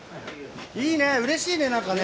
いいねうれしいね何かね。